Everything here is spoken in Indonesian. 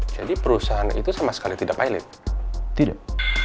jadi perusahaan itu sama sekali tidak pilot tidak